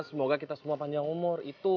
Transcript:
semoga kita semua panjang umur itu